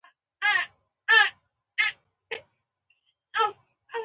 اردو د ملګرو او رفیقانو په بې وقاره ډله باندې بدل شوه.